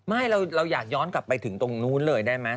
ไม่เราอยากย้อนกลับไปถึงตรงนู้นเลยได้ไหม